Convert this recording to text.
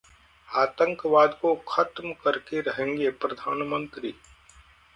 आतंकवाद को खत्म कर के रहेंगे: प्रधानमंत्री